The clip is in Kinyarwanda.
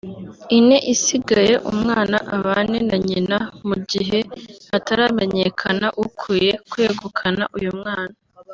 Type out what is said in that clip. ine isigaye umwana abane na nyina mu gihe hataramenyekana ukwiye kwegukana uyu mwana